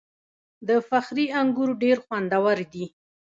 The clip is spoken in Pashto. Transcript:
د فخری انګور ډیر خوندور دي.